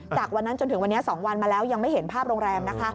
จากวันนั้นจนถึงวันนี้๒วันมาแล้วยังไม่เห็นภาพโรงแรมนะคะ